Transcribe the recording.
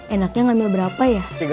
enaknya ngambil berapa ya